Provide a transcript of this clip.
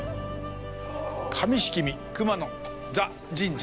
上色見熊野座神社。